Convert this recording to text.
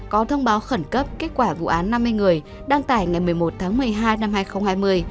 có thông báo khẩn cấp kết quả vụ án năm mươi người đăng tải ngày một mươi một tháng một mươi hai năm hai nghìn hai mươi